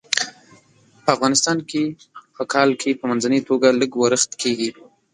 په افغانستان کې په کال کې په منځنۍ توګه لږ ورښت کیږي.